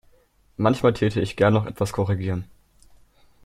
Manchmal täte ich gern noch etwas korrigieren.